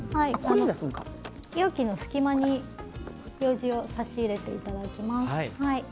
容器の隙間に、ようじを差し入れていただきます。